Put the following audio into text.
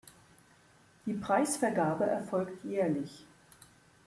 Die Preisvergabe erfolgt jährlich.